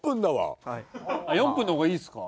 ４分の方がいいですか？